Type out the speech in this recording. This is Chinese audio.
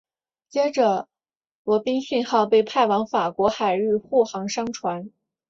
接着罗宾逊号被派往法国海域护航商船。